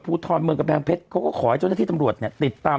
ภูทรเมืองกำแพงเพชรเขาก็ขอให้เจ้าหน้าที่ตำรวจเนี่ยติดตาม